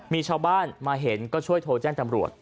มีชาวบ้านมาเห็นก็ช่วยโทรแจ้งตำรวจ